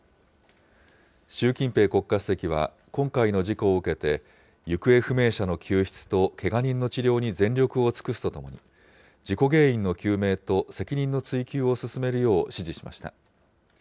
習近平国家主席は今回の事故を受けて、行方不明者の救出とけが人の治療に全力を尽くすとともに、事故原因の究明と、責任の追及を進めるよう指示しました。